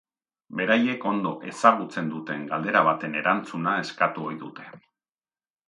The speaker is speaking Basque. Beraiek ondo ezagutzen duten galdera baten erantzuna eskatu ohi dute.